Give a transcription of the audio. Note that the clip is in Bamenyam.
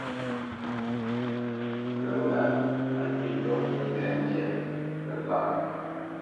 Pə́ ŋâ, á nyě ndɔ̌ ŋkúnɛ̂ ndyá, pə́ láʼnə.